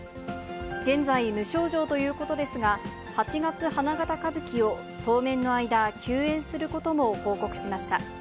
現在、無症状ということですが、八月花形歌舞伎を当面の間、休演することも報告しました。